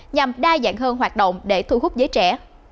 nhằm đa dạng hơn hoạt động để thu hút giới trẻ